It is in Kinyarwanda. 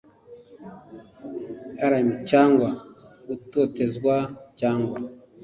Rm cyangwa gutotezwa cyangwa